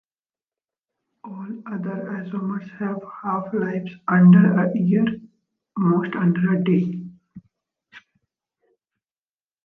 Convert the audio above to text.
All other isomers have half-lives under a year, most under a day.